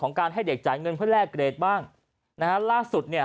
การให้เด็กจ่ายเงินเพื่อแลกเกรดบ้างนะฮะล่าสุดเนี่ย